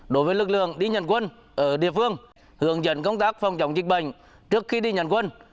đối với lực lượng đi nhận quân ở địa phương hướng dẫn công tác phòng chống dịch bệnh trước khi đi nhận quân